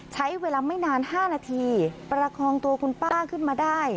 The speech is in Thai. ใช้เวลาไม่นาน๕นาทีประคองตัวคุณป้าขึ้นมาได้